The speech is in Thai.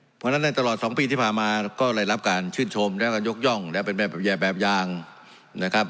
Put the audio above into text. เพราะฉะนั้นเนี่ยตลอดสองปีที่พามาก็รายรับการชื่นชมและการยกย่องและเป็นแบบแยร์แบบยางนะครับ